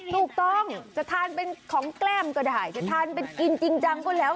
ถูกต้องจะทานเป็นของแก้มก็ได้จะทานเป็นกินจริงจังก็แล้ว